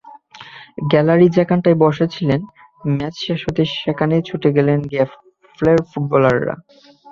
গ্যালারির যেখানটায় বসেছিলেন, ম্যাচ শেষ হতেই সেখানেই ছুটে গেলেন গেফলের ফুটবলাররা।